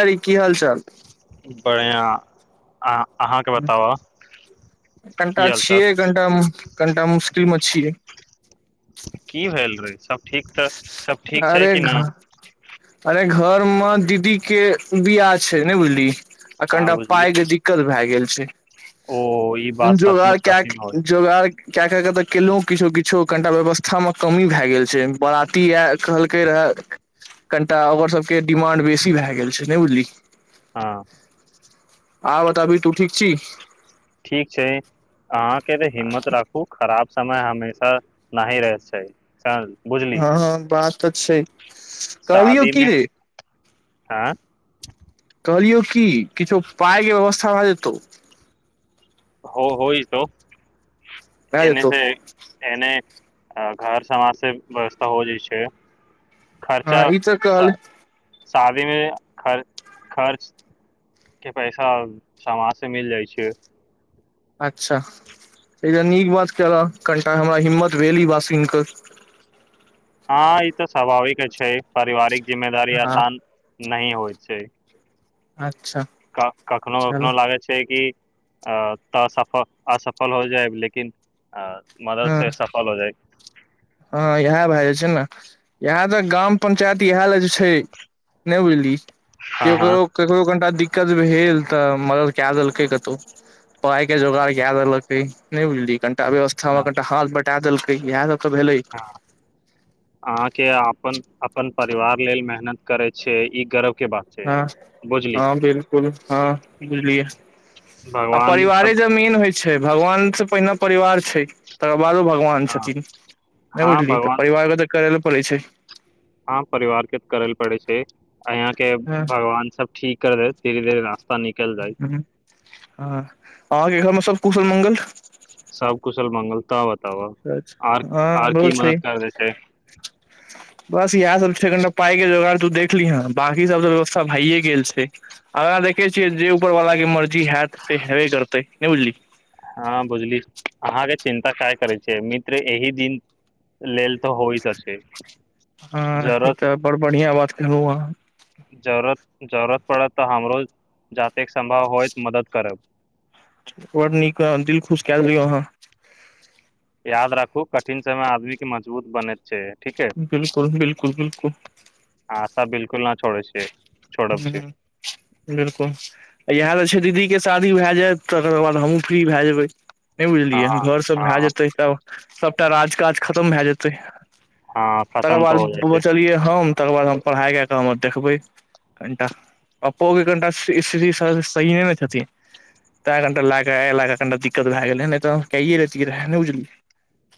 अरे की हाल चाल बढ़ियां आ कनिटा की हाल चाल छियै कनिटा कनिटा मुशकिल मे छियै की भयल रहै छं ठीक तऽ सब ठीक छै अरे कि ना घ अरे घर मे दीदी के बियाह छै ने बुझली आ हँ कनिटा बुझली पाइ के दिक्कत भाए गेल छै ओ ई बात जोगार सचमुच काए कठिन होइ के जोगार कए क क तऽ केलहुँ किछो किछो कनिटा व्यवस्था मे कमी भए गेल छै बाराती य कहलकै रहऽ कनिटा ओकर सबके डिमांड बेसी भए गेल छै नहि बुझलिहिं हँ आओर बताबीहिं तू ठीक छीन ठीक छै आहाँ के हिम्मत राखू खराब समय हमेशा नहि रहै छै- बुझली हां हां बात त छै कहलियौ की रे आँ कहलियौ की किछो पाइ कें व्यवस्था भ जेतौ हो होइ जेतौ भए ऐने जेतौ से ऐंने [unintelligible] हाँ इ त कहल शादीमे खर्च खर्च के पैसा समाज से मिल जाइ छै अच्छा ई त नीक बात केलहं कनिटा हमरा हिम्मत भेल ई बात सुनि क हँ ई तऽ स्वभाविक छै पारिवारिक जिम्मेदारी हँ आसान नहि होइ छै अ क कखनो कखनो लागैत छै कि अ तऽ असफल असफल हो जायब लेकिन आ मदद से सफल हो जाइ हां इएह भए जाइ छै ने इएह तऽ ग्राम पंचायत इएह लए जे छै नहि बुझलियै हँ हँ ककरो ककरो कनिटा दिक दिक्कत भेल तऽ मगर क देलकै कतहु पाई के जोगड़ क देलकै नहि बुझलिय कनिटा व्यवस्था मे कनिटा हाथ बटा देलक याद अहाँके अपन अपन परिवार लेल मेहनत करे छै ई गर्व के बात छै हँ बुझली हँ बिलकुल हँ बुझलियए आ भगवान परिवारे सब जमीन होइ छै छै भगवान से पहिने परिवार तकर बादो भगवान हँ छथिन नहि बुझलियै तऽ भगवान परिवारके तऽ करै ल पड़ै छै ठीक यहाँ के हँ भगवान सब ठीक ै तरी दे ने ह आ आ घर में सब कुशल मङ्ंगल सब कुशल मंगल तावत आर हँ आर हमरो की छै मदद कर दैतै बस इएह सब छै कनिटा पाइ के जोगार तू देखलीह ह बकी सब त व्यवस्था भइए गेल छै आगाँ देखे छियै जे ऊपर वाला के मर्जी हयत से हेबे करतै नहि बुझलि हँ बुझली अहाँके चिन्ता क करै छियै मित्र एहि दिन लेल तऽ होइत अछि हँ ई जरूरत तऽ बड़ बढ़िआ बात कहलहु आहाँ जरूरत पड़त तऽ हमरो जातेक सम्भव होइत मदद करब बड़ नीक दिल खुश कए देलियौ अहाँ याद राखु कठिन समय आदमी के मजबूत बनैत छै ठीके बिलकुल बिलकुल बिलकुल आशा बिलकुल न छोड़ै छै छोड़ब छै हूंँ बिलकुल इएह जे छै दीदीके शादी भए जायत तकर बाद हमहूँ फ्री भए जेबै नहि हँ बुझलियै घर सब हँ भय जेते तऽ सबटा राज काज खतम भए जेते त हँ तकर खतम तऽ बाद हो जाइ छै बचलियै हम तकर बाद हम पढ़ाइ के क काम देखबै कनिटा पप्पो के कनिटा स्थिति सही ने ने छथिन तें कनिटा लए कऽ अ ल कऽ कनिटा दिक्कत भए गेलै ने तऽ कैए रतिय रहे ने बुझलियै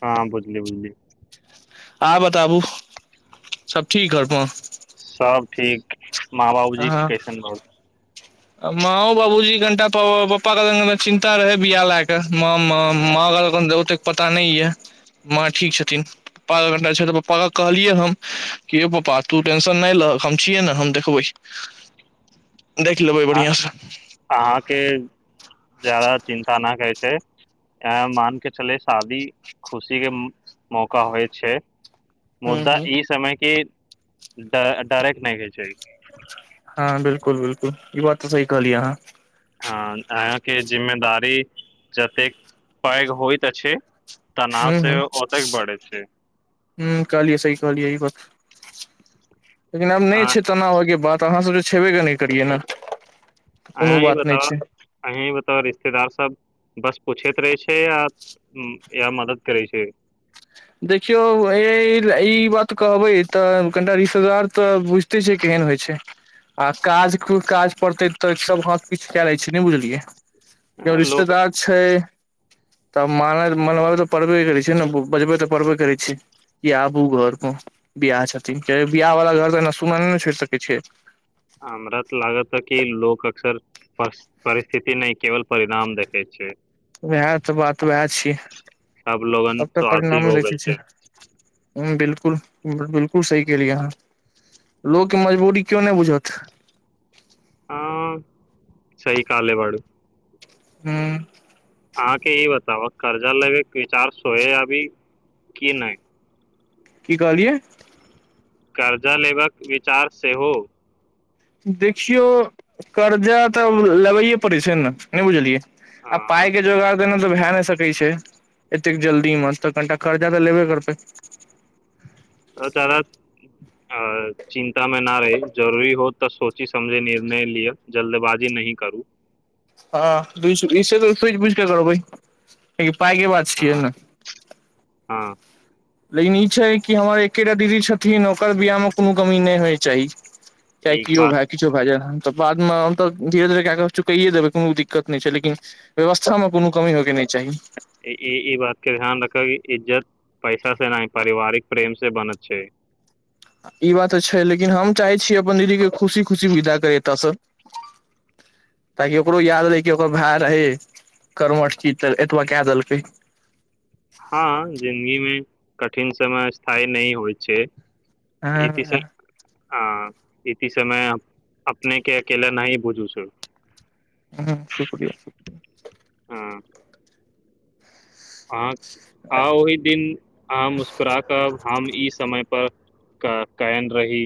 हँ बुझलि बुझली सबब ठीक घर मऽ सब ठीक माँ बाबूजी अहाँ कैसनग माँओ बाबूजी कनिटा पापाे चिन्ता रहै।। बआाह लए कऽ। म म माँ गाल कन देबत। पता नय य, माँ ठीक छथिन पप पप्पा के कहलिए हम कि यौ तु टेन्शन नय ल हम देखकर दे अ अहाँके जादाा चिन्ता नहि कहैत छै। मान के चले शादी खुशी के मौका होइ छै। हूं मुद्दा हूं ई समयके। ड डायरेक्ट नहि होइ छै। हँ बिलकुल बिलकुल ई बात तऽ सही कहलिय हँ। हँ अहाँके जिम्मेदारी जतेक पैघ होइत अछि। तनाव ह से ह ओतेक बढ़ै छै ह कहलियऐ सही कहलियऐ इ बात। लेकिन आब अ नहि छै तना होय के बात अहाँ सब जे। छबेग नहि करियए ने। कोनो अहाँ ही बात नहि बताउ छै अहाँ ही बताउ रिश्तेदार सब बस पूछैत रहे छै या या मदद करै छै। देखियौ ई बात कहबै तऽ कनिटा रिश्तेदार तऽ बुझते छै। केहन होइ छै। आ काज काज पड़ते तऽ सब हाथ किछु कए ले छै ने बुझलियै के अ, लोक रिश्तेदार छै। तब म मन तऽ पढ़बे करै छै ने बजबै तऽ। पबे करै छ कि आबू घर पर बिियाह छथिन बिियाह वालला घर तऽ एना सुना नहि ने छोड़ि सकै छ। हमरा तऽ लागत कि लोग अक्सर पर परिस्थिती नय केवल परिणाम देखे छै त यह त बात। तऽ वएह छियै अब लोगन सब तऽ स्वार्थी परिणाम हो गेल देखे छै। बिलकुल बिलकुल सही केलियै अहाँ लोगके मजबूरी क्यो नहि बुझत। हँ सही कहले बअडु। हँ।। अहाँ के ई बताउ कर्जा ले क [inaudible] की कहलियै कर्जा लेबाक विचार सेहो। देखियौ कर्जा तऽ लेबैए पड़ै छै ने नहि बुझलियै। आ अ पाइ के जोगार ओना - भए नहि सकै छै एतेक जल्दी मे त कनिटा कर्जा तऽ लेबे करबै जादा अ चिन्ता मे ना रही जरूरी हो तऽ सोची समझे निर्णय लियअ जल्दबाजी नहि करू। हँ इ सु ई सूझी बुझि क करबै पाइके बात छियै हँ ने हँ लेकिन ई छै कि हमर एकेटा दीदी छथिन ओकर बियाहमे कोनो कमी नहि होइ चाही। चाहे एक किओ बात भाय किछु भाजय तऽ बाद मे हम तऽ धीरे धीरे कए के चुकैये देबै कोनो दिक्कत नहि छै।। लेकिन व्यवस्था मे कोनो कमी होय के नहि। चाही ई ई बात के ध्यान रखै इज्जत पैसा से नहि पारिवारिक प्रेम से बनत छै ई बात तऽ छै लेकिन हम चाहै छी अपन दीदी कें खुशी खुशी विदा करी एतय सँ ताकि ओकरो याद रहै कि ओकर भाय रहै कर्मठ एतबा कऽ देलकै हां जिन्दगी मे कठिन समय स्थायी नहि होइ छै हँ [unintelligible] इत्ती समय अपनेके अकेला नहि बूझू छु हँ शुक्रिया [unintelligible] आ ओही दिन हां मुस्करा कर हम ई समय पर क कैयन रही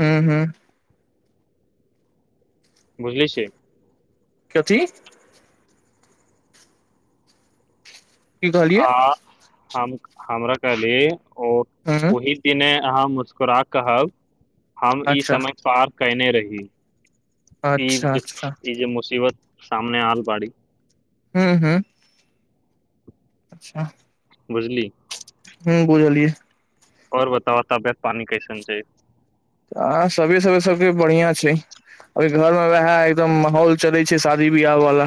हूँ हूँ बुझैय से [unintelligible] [inaudible] की कहलियए आ हम हमरा कहली - ओ हूँ ओही दिने हाँ मुस्करा कहब हम ई अच्छा समय पर कैने रही ई अच्छा अच्छा जे जे मुसीबत सामने आन बाड़ी हूँ हूँ अच्छा बुझली हूँ बुझलियै ओर बताव तबियत पानी कैसेन छै आ सभे सबे सभके बढ़िआँ छै अभी घरमे उएह एकदम माहौल चलै छै शादी बियाह वला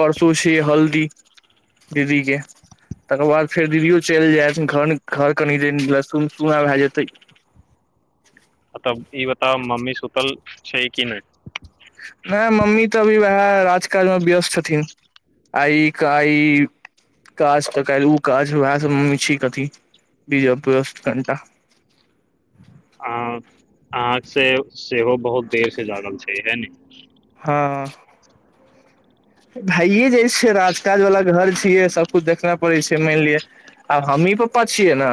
परसू छिय हल्दी दीदी कें तकर बाद फेर दीदियो चलि जाएत घर घर कनि दिन ला सून सूना भऽ जएतै तब ई बताव मम्मी से सुतल छै कि नहि नहि मम्मी तऽ अभी उएह राज काजमे व्यस्त छथिन आइ कइ काज तऽ काल्हि ओ काज उएह सभ मम्मी छथिन व्यस्त कनिटा अ अहाँ से सेहो बहुत देर से जागल छै हा ने हां भाये जाइ छै राजकाजवला घर छियै सबकुछु देखनाय पड़ै छै मानि लिअ आब हमही पप्पा छियै ने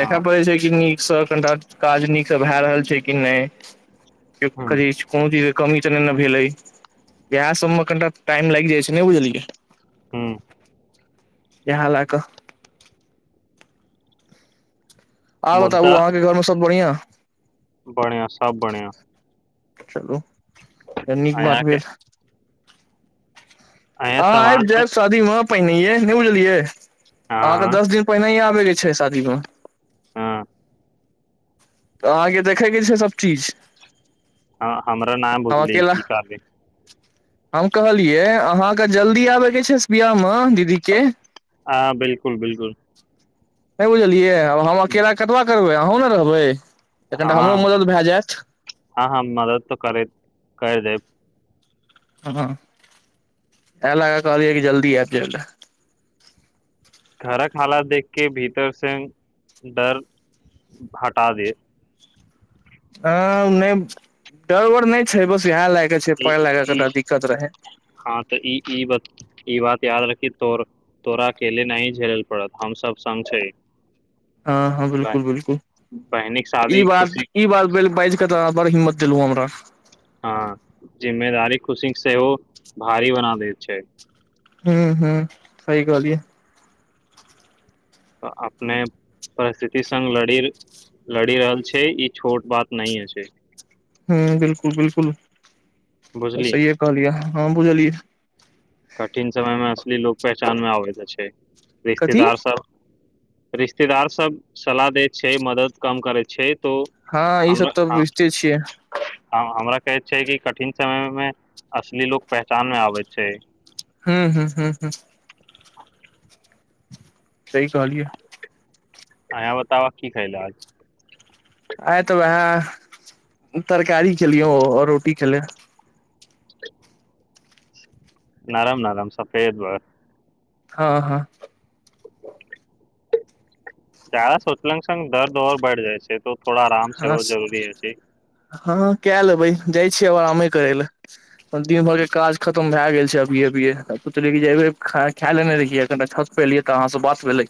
देख हँ पड़ै छै कि नीक सब कनिटा काज नीक से भय रहल छै कि नहि हूँ की कोन कमी त भेलै या सम्मखनि टाम लागि जाइ छै न नहि बुझलिै हूँ यह ल कऽ आ बताबु मुद्दा अहाँके घर में सब बढ़ियां बधिया सब बधिया चलू त नीक बात अहाँके भेलर अहाँ हँ आब समाजमे जायब शादी वह पहि नहिे नहि बुझलियै अहाँके हँ दस दिन पहिने ही आ उ जे छै शादीमे हँ तऽ अहाँके देखयके छै सभचीज हँ हमरा न बुझले की कहबै हम कहलियै अहाँके जल्दी आबयके छै बिआाहमे दीदीके हँ बिलकुल बिलकुल नहि बुझलियै आब हम अकेला कतब करबै अहँ ने [inaudible] कनिटा हमरो हँ मदद भए जायत हँ हँ मदद तऽ करे कर देब हँ ए ल का कहलियऐ कि जल्दी आब जा घरक हालत देखके भीतर से डर हटा दे ह नहि डर ओर नहि छै बस इएह लाग ई ई हँ तऽ ई ई बात ई बात याद रखी तो तोरा अकेले नहि झेलल पड़त हम सब सग छै हँ हँ बाय बिलकुल बिलकुल बहिनिक ई शादी बात खुशी ई बात तऽ बड़ हिम्मत देलहु हमरा हँ जिम्मेदारी खुशी सेहो भारी बना दैत छै हू हू सही कहालिये ऽ अपने परिस्थिति सङग लड़ि लड़ि रहल छै ई छोट बात नहि अछि हँ बिलकुल बिलकुल त बुझली सीए कहलिय हँ बुझलियै कठिन समय मे असली लोक पहचान मे आबैत छै कथी रिश्तेदारसभ रिश्तेदार सब सलाह दै छै मदद कम करै छै तो हँ हमरा ईसभ तऽ हाँ, बुझिते छियै हाँ, हमरा कहैत छै कि कठिन समय मे असली लोको पहचान मे आबैत छै हँ हू हँ ह सही कहलिय अंया बताव की खैल आज आय तऽ उहए तरकारी खेलियौ लियौ रोटी खैलियौ [inaudible] नरम नरम सफेद भ हँ हँ ज्यादा सोचला सङ् दर्द आओर बढ़ि जाइ छै त थोड़ा आराम से हँ हो जरूरी अछि हँ कए लेबै जाइ छियै अब आरामे करे ले दिन भर के काज खतम भए गेल छै अभी अभिय सोचलियै जे एबे खाय लेने रहियै कनि छत पर एलियै तऽ अहाँ से बात भेलै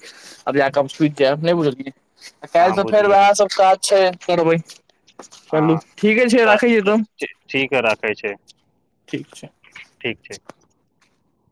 आब जाकऽ सुूति जायब नहि बुझलियै काल् हँ तऽ फेर वएह सब करबै चलू ठीके छै हँ् राखै छियै तब ठीक हइ राखै छै ठीक छै ठीक छै